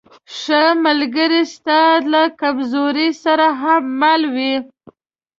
ښه ملګری ستا له کمزورۍ سره هم مل وي.